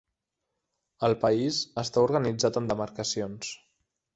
El país està organitzat en demarcacions.